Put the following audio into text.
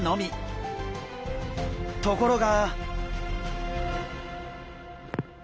ところが。